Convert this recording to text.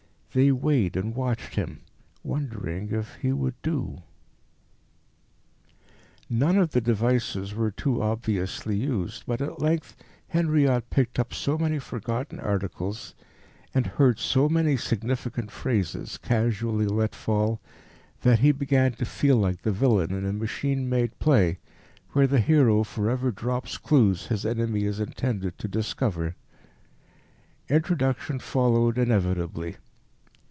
They weighed and watched him, wondering if he would do. None of the devices were too obviously used, but at length Henriot picked up so many forgotten articles, and heard so many significant phrases, casually let fall, that he began to feel like the villain in a machine made play, where the hero for ever drops clues his enemy is intended to discover. Introduction followed inevitably.